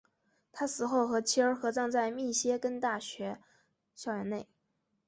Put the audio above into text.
他死后和妻儿合葬在密歇根大学校园内。